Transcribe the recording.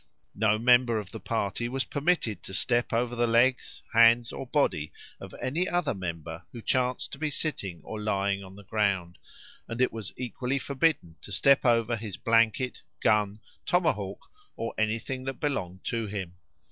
No member of the party was permitted to step over the legs, hands, or body of any other member who chanced to be sitting or lying on the ground; and it was equally forbidden to step over his blanket, gun, tomahawk, or anything that belonged to him.